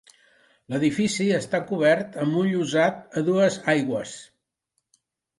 L'edifici està cobert amb un llosat a dues aigües.